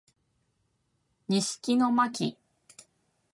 西木野真姫